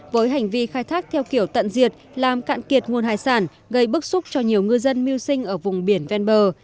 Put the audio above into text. với hành vi khai thác theo kiểu tận diệt làm cạn kiệt nguồn hải sản gây bức xúc cho nhiều ngư dân mưu sinh ở vùng biển ven bờ